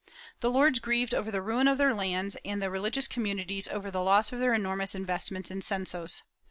The lords grieved over the ruin of their lands and the religious communities over the loss of their enormous investments in censos.